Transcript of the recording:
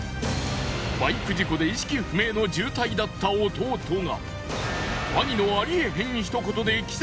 バイク事故で意識不明の重体だった弟が。